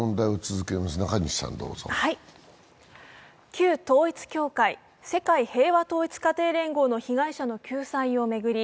旧統一教会＝世界平和統一家庭連合の被害者の救済を巡り